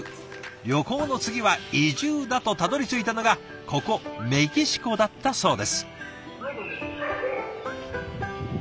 旅行の次は移住だとたどりついたのがここメキシコだったそうです。